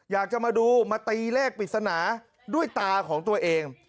อยากจะมาดูมาตีเลขปริศนาด้วยตาของตัวเอง